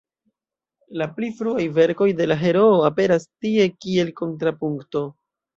La pli fruaj verkoj de la heroo aperas tie kiel kontrapunkto.